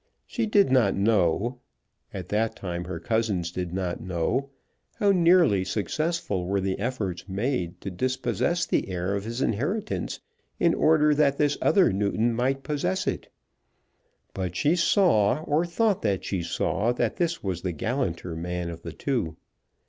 She did not know, at that time her cousins did not know, how nearly successful were the efforts made to dispossess the heir of his inheritance in order that this other Newton might possess it. But she saw, or thought that she saw, that this was the gallanter man of the two.